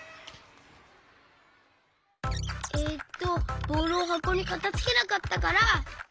えっとボールをはこにかたづけなかったから。